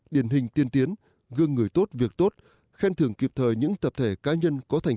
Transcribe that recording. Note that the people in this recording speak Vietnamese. điển hình tiên tiến gương người tốt việc tốt khen thưởng kịp thời những tập thể cá nhân có thành